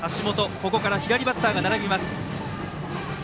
ここから左バッターが並びます。